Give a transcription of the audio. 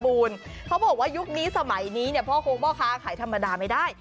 เขาบอกว่ายุคนี้สมัยนี้เนี่ยพ่อโค้งพ่อค้าขายธรรมดาไม่ได้